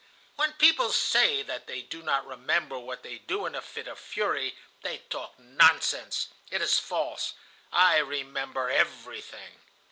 "When people say that they do not remember what they do in a fit of fury, they talk nonsense. It is false. I remember everything.